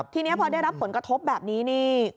ที่นี่พอได้รับผลประกอบแบบนี้มูลค่าที่จะไปซ่อม